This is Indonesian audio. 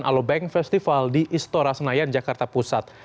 alobank festival di istora senayan jakarta pusat